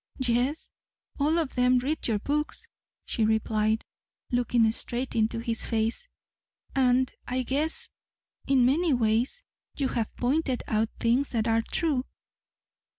"Yes all of them read your books," she replied, looking straight into his face. "And I guess in many ways you have pointed out things that are true."